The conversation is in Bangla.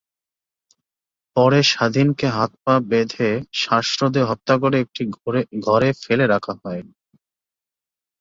পরে স্বাধীনকে হাত-পা বেঁধে শ্বাসরোধে হত্যা করে একটি ঘরে ফেলে রাখা হয়।